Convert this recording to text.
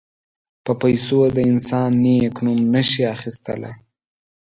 په پیسو د انسان نېک نوم نه شي اخیستلای.